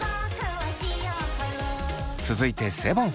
続いてセボンさん。